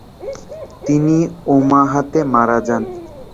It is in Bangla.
তিনি ওমাহাতে মারা যান।